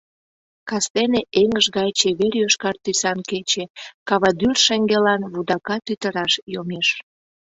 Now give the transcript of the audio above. Кастене эҥыж гай чевер-йошкар тӱсан кече кавадӱр шеҥгелан вудака тӱтыраш йомеш.